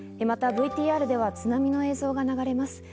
またＶＴＲでは津波の映像が流れます。